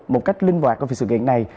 một cách linh hoạt của sự kiện này